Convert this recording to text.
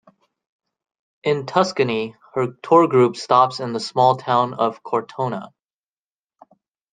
In Tuscany, her tour group stops in the small town of Cortona.